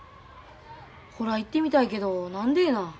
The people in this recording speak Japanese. ほら行ってみたいけど何でえな？